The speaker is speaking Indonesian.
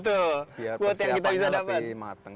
biar persiapannya lebih mateng